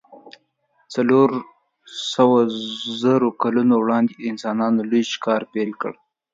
څلور سوو زرو کلونو وړاندې انسانانو لوی ښکار پیل کړ.